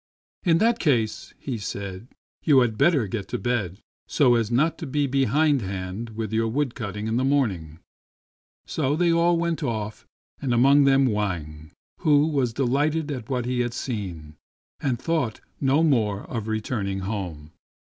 " In that case," said he, " you had better get to bed, so as not to be behindhand with your wood cutting in the morning." So they all went off, and among them Wang, who was delighted at what he had seen, and thought no more of returning home.